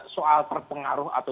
soal terpengaruh atau